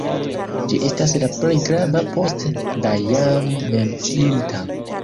Ĝi estas la plej grava post la jam menciita.